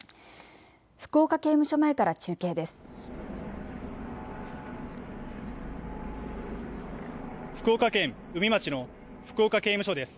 福岡刑務所前から中継です。